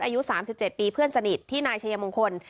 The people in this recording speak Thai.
อายุสามสิบเจ็ดปีเพื่อนสนิทที่นายเฉยมงคล